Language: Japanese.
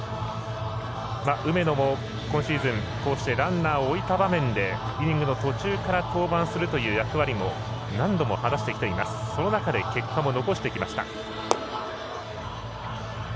梅野も今シーズン、こうしてランナーを置いた場面でイニングの途中から登板するという役割も何度も果たしてきています。